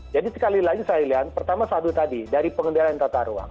jadi sekali lagi saya lihat pertama satu tadi dari pengendalian tata ruang